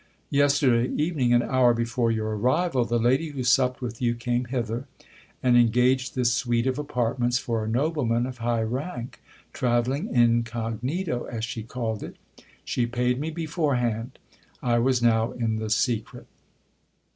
Yesterday evening, an hour before your arrival, the lady who supped with you came hither, and engaged this suite of apartments for a nobleman of high rank, travelling incognito, as she called it. She paid me beforehand. I was now in the secret.